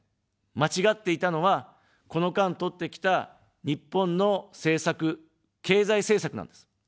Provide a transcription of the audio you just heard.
間違っていたのは、この間とってきた日本の政策、経済政策なんです。